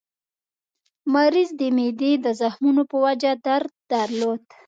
مریض د معدې د زخمونو په وجه درد درلود.